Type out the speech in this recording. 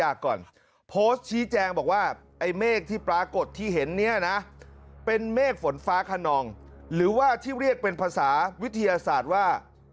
ไอ้เมฆที่ปรากฏที่เห็นนี้นะเป็นเมฆฝนฟ้าขนองหรือว่าที่เรียกเป็นภาษาวิทยาศาสตร์ว่า